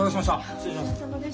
失礼します。